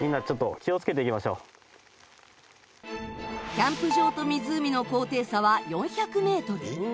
キャンプ場と湖の高低差は４００メートル。